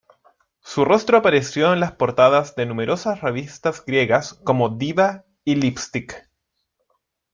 Su rostro apareció en las portadas de numerosas revistas griegas como "Diva" y "LipStick".